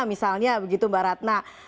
misalnya begitu mbak ratna